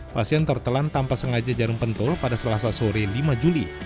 pasien tertelan tanpa sengaja jarum pentul pada selasa sore lima juli